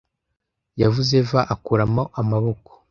yavuze eva akuramo amaboko